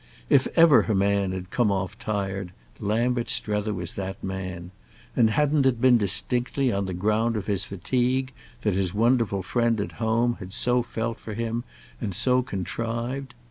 If ever a man had come off tired Lambert Strether was that man; and hadn't it been distinctly on the ground of his fatigue that his wonderful friend at home had so felt for him and so contrived?